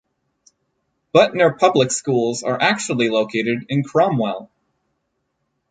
Butner Public Schools are actually located in Cromwell.